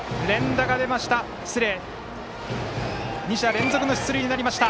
２者連続の出塁になりました。